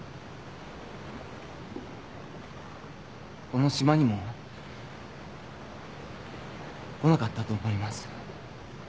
この島にも来なかったと思います。